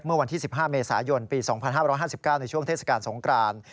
เมื่อวันที่๑๕เมษายนปี๒๕๕๙ในช่วงเทศกาลสงคราน